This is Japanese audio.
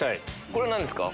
これは何ですか？